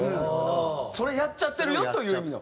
それやっちゃってるよという意味の。